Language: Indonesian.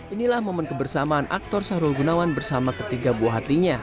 inilah momen kebersamaan aktor sahrul gunawan bersama ketiga buah hatinya